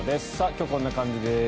今日はこんな感じです。